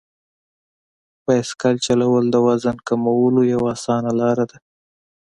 بایسکل چلول د وزن کمولو یوه اسانه لار ده.